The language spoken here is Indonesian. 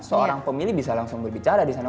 seorang pemilih bisa langsung berbicara di sana